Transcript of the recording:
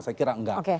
saya kira enggak